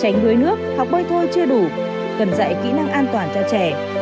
tránh đuối nước học bơi thôi chưa đủ cần dạy kỹ năng an toàn cho trẻ